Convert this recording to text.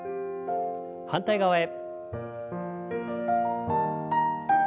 反対側へ。